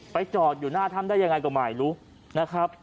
จอดอยู่หน้าถ้ำได้ยังไงก็ไม่รู้นะครับ